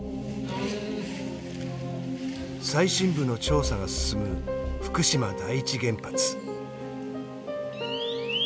最深部の調査が進む福島第一原発。